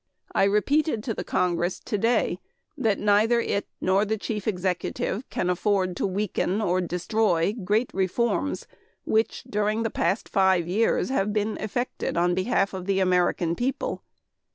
I repeated to the Congress today that neither it nor the Chief Executive can afford "to weaken or destroy great reforms which, during the past five years, have been effected on behalf of the American people.